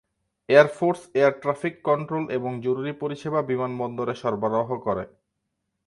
Air force air traffic control এবং জরুরী পরিষেবা বিমানবন্দরে সরবরাহ করে।